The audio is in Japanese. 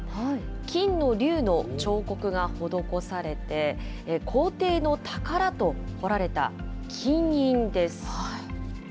金の竜の彫刻が施されて、皇帝の宝と彫られた金印です。